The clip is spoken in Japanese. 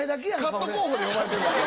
カット候補で呼ばれてるんですか？